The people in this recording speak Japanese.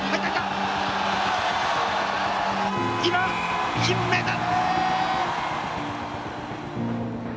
今金メダル！